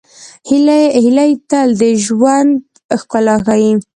هیلۍ تل د ژوند ښکلا ښيي